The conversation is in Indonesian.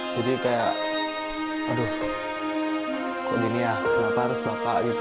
jadi kayak aduh kok begini ya kenapa harus bapak gitu